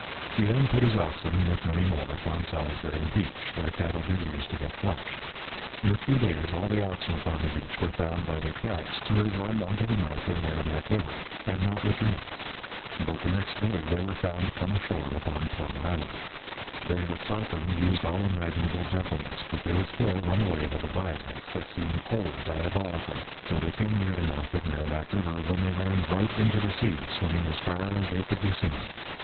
He then put his Oxen, with many more, upon Salisbury Beach, where Cattle did use to get Flesh. In a few days, all the Oxen upon the Beach were found by their Tracks, to have run unto the Mouth of Merrimack River, and not returned; but the next day they were found come ashore upon Plum Island. They that sought them, used all imaginable gentleness, but they would still run away with a violence, that seemed wholly Diabolical, till they came near the mouth of Merrimack River; when they ran right into the Sea, swimming as far as they could be seen.